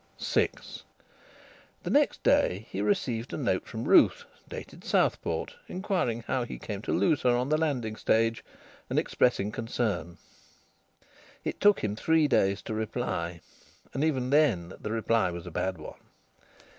VI The next day he received a note from Ruth, dated Southport, inquiring how he came to lose her on the landing stage, and expressing concern. It took him three days to reply, and even then the reply was a bad one.